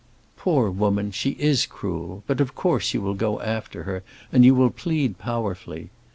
"Poor woman, she is cruel. But of course you will go after her and you will plead powerfully.